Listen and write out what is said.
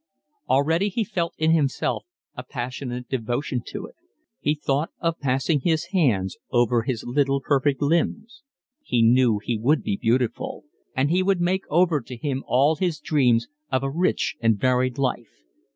Already he felt in himself a passionate devotion to it. He thought of passing his hands over his little perfect limbs, he knew he would be beautiful; and he would make over to him all his dreams of a rich and varied life.